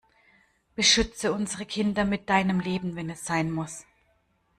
Beschütze unsere Kinder mit deinem Leben wenn es sein muss.